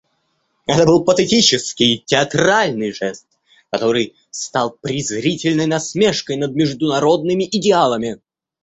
Это был патетический, театральный жест, который стал презрительной насмешкой над международными идеалами.